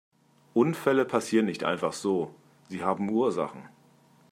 Unfälle passieren nicht einfach so, sie haben Ursachen.